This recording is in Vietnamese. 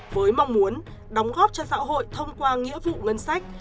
với mong muốn đóng góp cho xã hội thông qua nghĩa vụ ngân sách